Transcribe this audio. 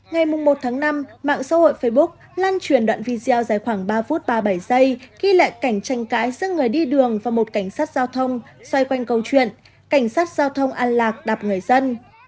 ngày một tháng năm mạng xã hội facebook lan truyền đoạn video dài khoảng ba phút ba mươi bảy giây ghi lại cảnh tranh cãi giữa người đi đường và một cảnh sát giao thông xoay quanh câu chuyện cảnh sát giao thông an lạc người dân